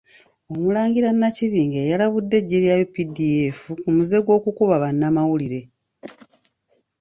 Omulangira Nakibinge yalabudde eggye lya UPDF ku muze gw'okukuba bannamawulire